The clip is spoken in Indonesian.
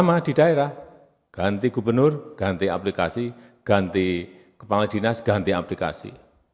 sama di daerah ganti gubernur ganti aplikasi ganti kepala dinas ganti aplikasi